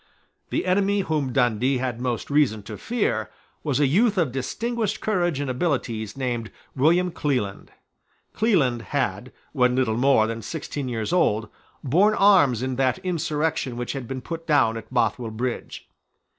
The enemy whom Dundee had most reason to fear was a youth of distinguished courage and abilities named William Cleland. Cleland had, when little more than sixteen years old, borne arms in that insurrection which had been put down at Bothwell Bridge.